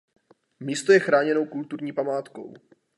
Místo je chráněnou kulturní památkou.